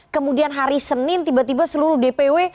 kemudian hari senin tiba tiba seluruh dpw